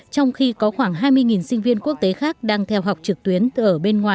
trong khi có khoảng hai mươi sinh viên quốc tế khác đang theo học trực tiếp